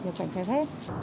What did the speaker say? nhập cảnh trái phép